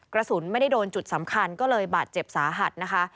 กระสุนไม่ได้โดนจุดสำคัญก็เลยบาดเจ็บสาหัสนะคะ